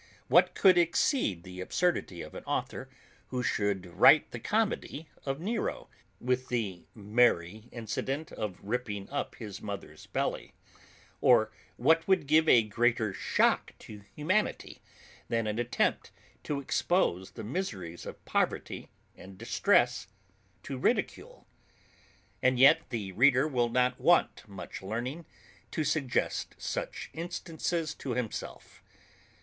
What could exceed the absurdity of an author, who should write the comedy of Nero, with the merry incident of ripping up his mother's belly, or what would give a greater shock to humanity than an attempt to expose the miseries of poverty and distress to ridicule? And yet, the reader will not want much learning to suggest such instances to himself.